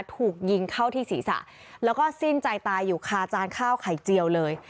ถูกยิงเข้าที่ศีรษะแล้วก็สิ้นใจตายอยู่คาจานข้าวไข่เจียวเลย